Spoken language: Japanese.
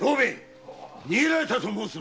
逃げられたと申すのか？